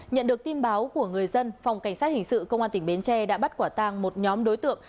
nhận được tin báo của người dân phòng cảnh sát hình sự công an tỉnh bến tre đã bắt quả tàng một nhóm đối tượng